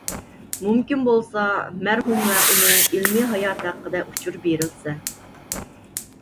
مۇمكىن بولسا مەرھۇم ۋە ئۇنىڭ ئىلمىي ھاياتى ھەققىدە ئۇچۇر بېرىلسە.